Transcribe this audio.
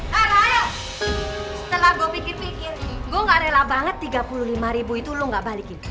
hara yuk setelah gue pikir pikir gue gak rela banget tiga puluh lima ribu itu lo gak balikin